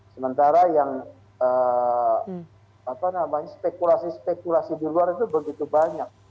sementara yang spekulasi spekulasi di luar itu begitu banyak